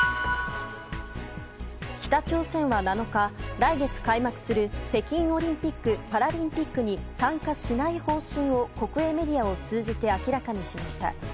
北朝鮮は７日、来月開幕する北京オリンピック・パラリンピックに参加しない方針を国営メディアを通じて明らかにしました。